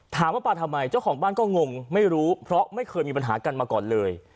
ถามว่าปลาทำไมเจ้าของบ้านก็งงไม่รู้เพราะไม่เคยมีปัญหากันมาก่อนเลย